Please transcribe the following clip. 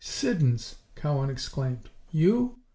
"Siddons!" Cowan exclaimed. "You?"